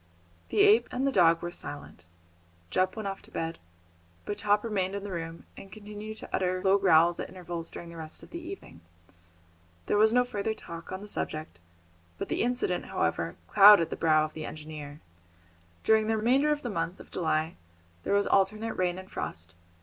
The ape and the dog were silent. Jup went off to bed, but Top remained in the room, and continued to utter low growls at intervals during the rest of the evening. There was no further talk on the subject, but the incident, however, clouded the brow of the engineer. During the remainder of the month of July there was alternate rain and frost.